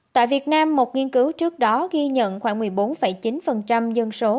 tại việt nam một nghiên cứu trước đó ghi nhận khoảng một mươi bốn chín dân số